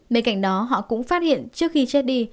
bên cạnh đó họ cũng phát hiện trước khi chết đi